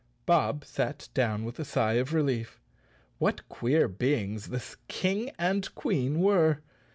" Bob sat down with a sigh of relief. What queer be¬ ings this King and Queen were!